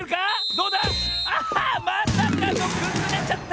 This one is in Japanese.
どうだ⁉あまさかのくずれちゃった！